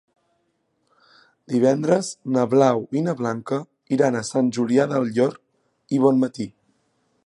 Divendres na Blau i na Blanca iran a Sant Julià del Llor i Bonmatí.